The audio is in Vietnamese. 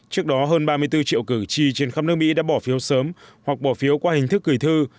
trước đó hơn ba mươi bốn triệu cử tri trên khắp nước mỹ đã bỏ phiếu sớm hoặc bỏ phiếu qua hình thức gửi thư